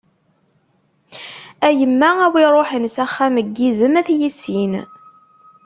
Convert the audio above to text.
A yemma, a wi ṛuḥen s axxam n yizem ad t-yissin.